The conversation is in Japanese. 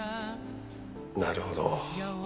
なるほど。